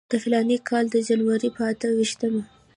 د فلاني کال د جنورۍ پر اته ویشتمه.